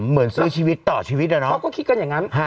เหมือนซื้อชีวิตต่อชีวิตอะเนอะเขาก็คิดกันอย่างงั้นฮะ